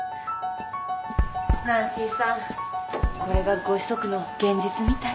ナンシーさんこれがご子息の現実みたい。